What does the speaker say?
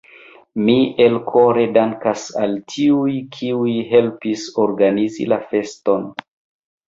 Mi elkore dankas al tiuj, kiuj helpis organizi la feston.